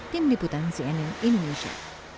tim diputan cnn indonesia